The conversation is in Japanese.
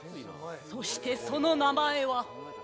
そしてその名前は？